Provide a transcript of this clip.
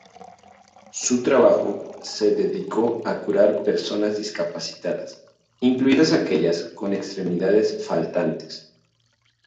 Su trabajo se dedicó a curar a personas discapacitadas, incluidas aquellas con extremidades faltantes.